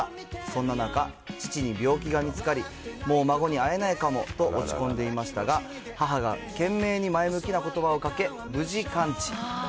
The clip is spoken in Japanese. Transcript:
そんな中、父に病気が見つかり、もう、孫に会えないかもと落ち込んでいましたが、母が懸命に前向きなことばをかけ、無事完治。